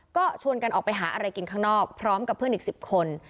ก็ชวนกันออกไปหาอะไรกินข้างนอกพร้อมกับเพื่อนอีก๑๐คน